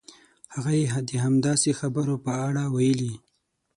هغه یې د همداسې خبرو په اړه ویلي.